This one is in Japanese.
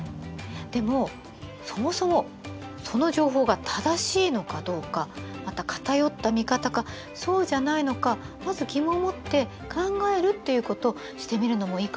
でもそもそもその情報が正しいのかどうかまた偏った見方かそうじゃないのかまず疑問を持って考えるっていうことしてみるのもいいかもしれないね。